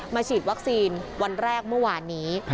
ฉีดวัคซีนวันแรกเมื่อวานนี้